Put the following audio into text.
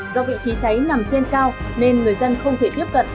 do vị trí cháy nằm trên cao nên người dân không thể tiếp cận